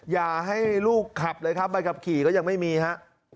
อย่าให้ลูกขับเลยครับใบขับขี่ก็ยังไม่มีฮะ